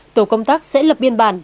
tổ công tác sẽ lập biên bản